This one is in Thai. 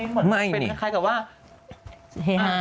ในเหมือนเป็นคล้ายกับว่า